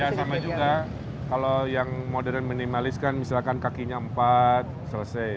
ya sama juga kalau yang modern minimalis kan misalkan kakinya empat selesai